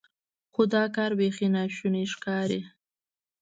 خو دا کار بیخي ناشونی ښکاري.